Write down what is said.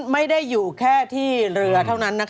ไม่ได้อยู่แค่ที่เรือเท่านั้น